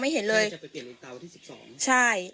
ไม่เห็นเลยที่๑๒ใช่